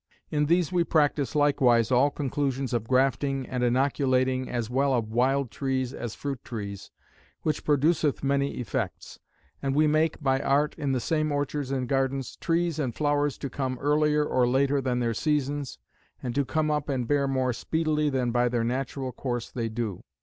In these we practise likewise all conclusions of grafting, and inoculating as well of wild trees as fruit trees, which produceth many effects. And we make (by art) in the same orchards and gardens, trees and flowers to come earlier or later than their seasons; and to come up and bear more speedily than by their natural course they do.